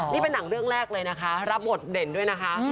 นี่เป็นหนังเรื่องแรกเลยนะคะรับบทเด่นด้วยนะคะ